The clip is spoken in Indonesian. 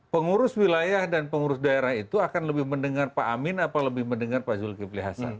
pengurus wilayah dan pengurus daerah itu akan lebih mendengar pak amin atau lebih mendengar pak zulkifli hasan